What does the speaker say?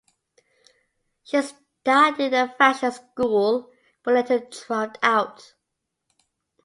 She studied in a fashion school but later dropped out.